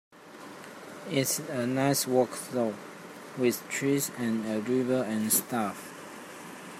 It's a nice walk though, with trees and a river and stuff.